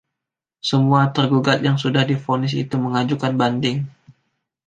Semua tergugat yang sudah divonis itu mengajukan banding.